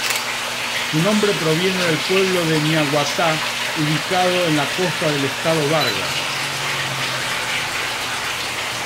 Su nombre proviene del pueblo de Naiguatá ubicado en la costa del estado Vargas.